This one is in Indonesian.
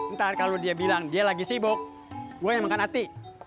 ntar kalau dia bilang dia lagi sibuk gue yang makan hati